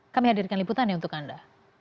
kami hadirkan liputannya untuk anda